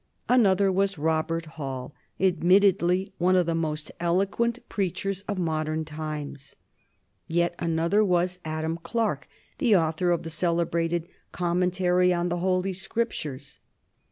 Another was Robert Hall, admittedly one of the most eloquent preachers of modern times. Yet another was Adam Clarke, the author of the celebrated "Commentary on the Holy Scriptures."